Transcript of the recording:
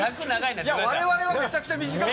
我々はめちゃくちゃ短く。